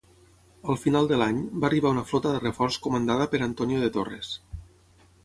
Al final de l'any, va arribar una flota de reforç comandada per Antonio de Torres.